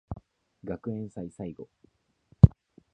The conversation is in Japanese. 学園祭最後